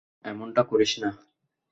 এমনটা করিস না!